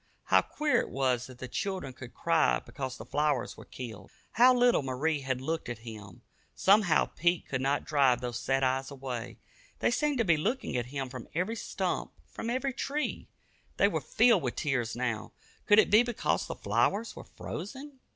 How queer it was that the children should cry because the flowers were killed! How little Marie had looked at him! Somehow Pete could not drive those sad eyes away. They seemed to be looking at him from every stump, from every tree. They were filled with tears now could it be because the flowers were frozen?